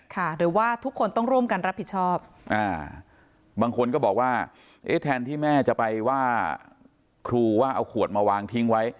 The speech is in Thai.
หรือว่าทุกคนต้องร่วมกันรับผิดชอบอ่าบางคนก็บอกว่าเอ๊ะแทนที่แม่จะไปว่าครูว่าเอาขวดมาวางทิ้งไว้